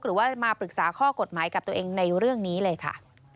หรือว่ามาปรึกษาข้อกฎหมายกับตัวเองในเรื่องนี้เลยค่ะ